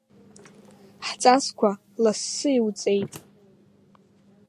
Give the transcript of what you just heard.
Ҳҵасқәа лассы иуҵеит…